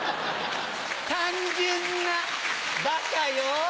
単純なバカよ。